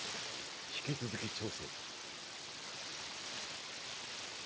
引き続き調査を。